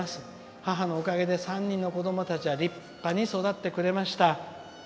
母のおかげで３人の子どもたちは立派に育ってくれました。